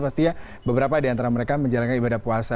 pastinya beberapa di antara mereka menjalankan ibadah puasa